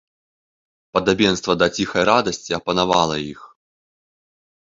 Падабенства да ціхай радасці апанавала іх.